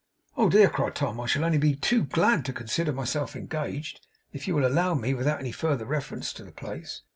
'Oh, dear!' cried Tom. 'I shall only be too glad to consider myself engaged, if you will allow me; without any further reference to the place.